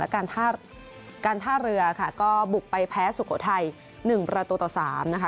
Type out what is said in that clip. และการท่าเรือค่ะก็บุกไปแพ้สุโขทัยหนึ่งประตูต่อสามนะคะ